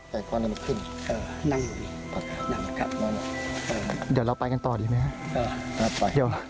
เดี๋ยวเราไปกันต่อดีไหมครับ